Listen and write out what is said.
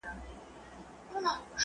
څوک چي مړ سي هغه ځي د خدای دربار ته.